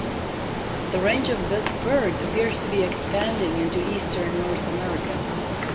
The range of this bird appears to be expanding into eastern North America.